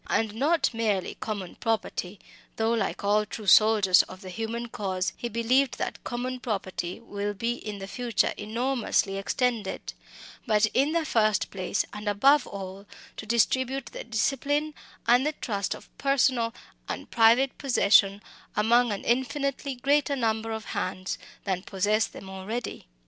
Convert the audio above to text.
And not merely common property though like all true soldiers of the human cause he believed that common property will be in the future enormously extended but in the first place, and above all, to distribute the discipline and the trust of personal and private possession among an infinitely greater number of hands than possess them already.